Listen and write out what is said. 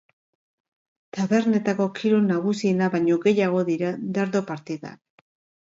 Tabernetako kirol nagusiena baino gehiago dira dardo partidak.